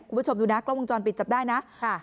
คุณผู้ชมดูนะกล้องวงจรปิดจับได้นะค่ะ